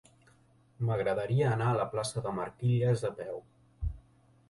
M'agradaria anar a la plaça de Marquilles a peu.